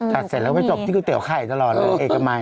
เสร็จแล้วไปจบที่ก๋วไข่ตลอดเลยเอกมัย